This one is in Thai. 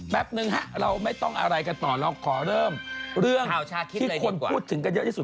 นึงฮะเราไม่ต้องอะไรกันต่อเราขอเริ่มเรื่องที่คนพูดถึงกันเยอะที่สุด